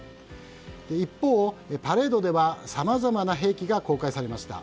一方、パレードではさまざまな兵器が公開されました。